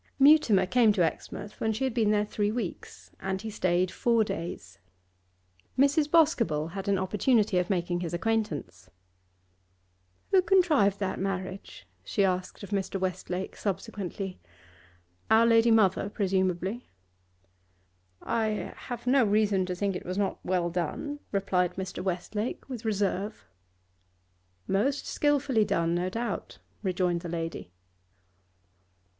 Mutimer came to Exmouth when she had been there three weeks, and he stayed four days. Mrs. Boscobel had an opportunity of making his acquaintance. 'Who contrived that marriage?' she asked of Mr. Westlake subsequently. 'Our lady mother, presumably.' 'I have no reason to think it was not well done,' replied Mr. Westlake with reserve. 'Most skilfully done, no doubt,' rejoined the lady.